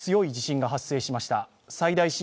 石川で強い地震が発生しました。